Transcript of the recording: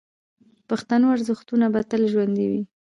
د پښتنو ارزښتونه به تل ژوندي وي.